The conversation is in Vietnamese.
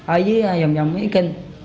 ở dưới dòng dòng mỹ kinh